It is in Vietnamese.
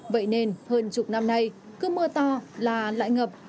vậy nên hơn chục năm nay cứ mưa to là lại ngập